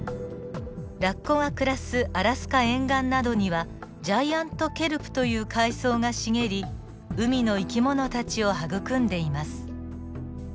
ラッコが暮らすアラスカ沿岸などにはジャイアントケルプという海藻が茂り海の生き物たちを育んでいます。